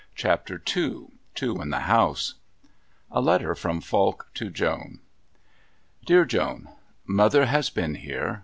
Chapter II Two in the House A letter from Falk to Joan. Dear Joan Mother has been here.